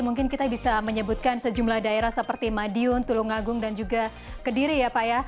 mungkin kita bisa menyebutkan sejumlah daerah seperti madiun tulungagung dan juga kediri ya pak ya